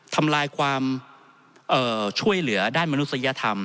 ทำลายความช่วยเหลือด้านมนุษยธรรม